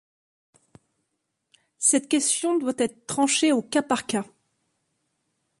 Cette question doit être tranchée au cas par cas.